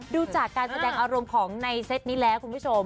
ดูจากการแสดงอารมณ์ของในเซตนี้แล้วคุณผู้ชม